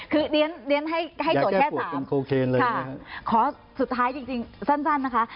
คือเดี๋ยวให้ตัวแค่๓ค่ะค่ะขอสุดท้ายจริงสั้นนะคะ